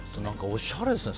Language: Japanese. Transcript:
おしゃれですね。